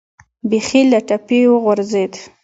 بیخي له ټپې وغورځېد.